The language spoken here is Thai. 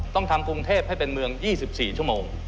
ต้องทำกรุงเทพให้เป็นเมือง๒๔ชั่วโมง